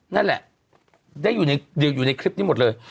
นั่นแหละได้อยู่ในคลิปนี้หมดเลย